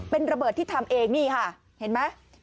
เป็นระเบิดที่ทำเองนี่ค่ะเห็นไหม